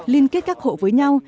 liên kết các hộ với nhau